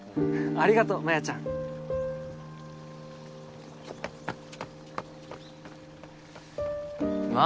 ありがとうマヤちゃんま